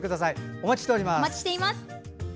お待ちしています。